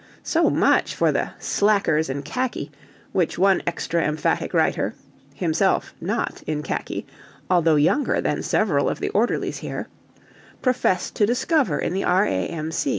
So much for the "slackers in khaki" which one extra emphatic writer (himself not in khaki, although younger than several of the orderlies here) professed to discover in the R.A.M.